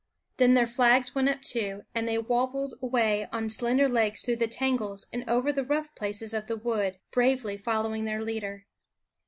Then their flags went up too, and they wabbled away on slender legs through the tangles and over the rough places of the wood, bravely following their leader.